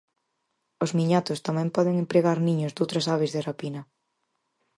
Os miñatos tamén poden empregar niños doutras aves de rapina.